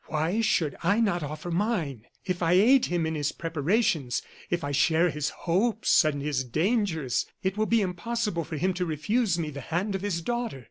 Why should I not offer mine? If I aid him in his preparations, if I share his hopes and his dangers, it will be impossible for him to refuse me the hand of his daughter.